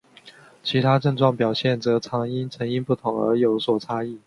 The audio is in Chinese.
其他症状表现则常因成因不同而有所差异。